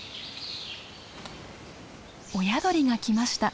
親鳥が来ました。